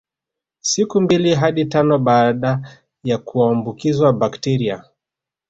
Siku mbili hadi tano baada ya kuambukizwa bakteria